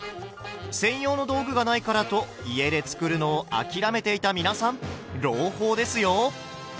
専用の道具がないからと家で作るのを諦めていた皆さん朗報ですよ！